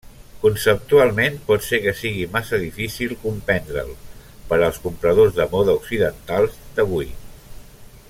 Conceptualment, pot ser que sigui massa difícil comprendre'l per als compradors de moda occidentals d'avui.